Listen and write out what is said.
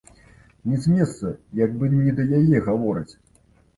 Ні з месца, як бы не да яе гавораць.